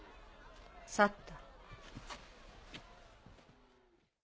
去った。